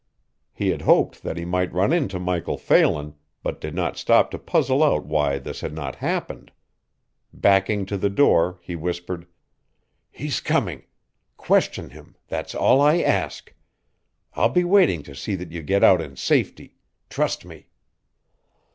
He had hoped that he might run into Michael Phelan, but did not stop to puzzle out why this had not happened. Backing to the door, he whispered: "He's coming question him. That's all I ask. I'll be waiting to see that you get out in safety trust me!"